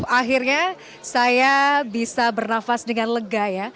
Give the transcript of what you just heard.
akhirnya saya bisa bernafas dengan lega ya